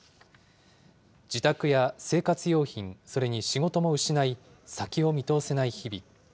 自宅や生活用品、それに仕事も失い、先を見通せない日々。